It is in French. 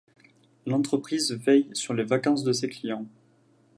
L'entreprise veille sur les vacances de ses clients.